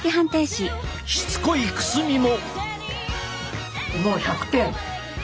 しつこいくすみも。